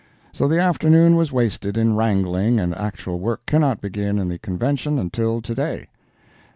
So the afternoon was wasted in wrangling, and actual work cannot begin in the Convention until to day.